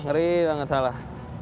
ngeri banget salah